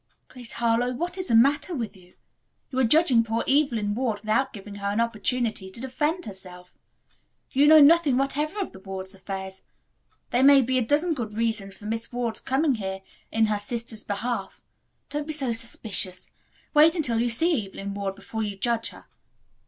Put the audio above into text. "Grace Harlowe, what is the matter with you? You are judging poor Evelyn Ward without giving her an opportunity to defend herself. You know nothing whatever of the Wards' affairs. There may be a dozen good reasons for Miss Ward's coming here in her sister's behalf. Don't be so suspicious. Wait until you see Evelyn Ward before you judge her."